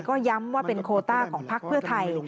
ก็ย้ำว่าเป็นโคต้าของพักเพื่อไทย